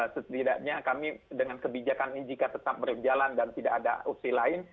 setidaknya kami dengan kebijakan ini jika tetap berjalan dan tidak ada opsi lain